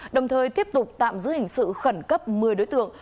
đồng thời tiếp tục tạm giữ hình sự khẩn cấp một mươi đối tượng